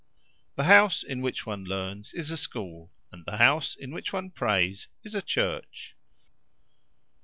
The house in which one learns is a school, and the house in which one prays is a church.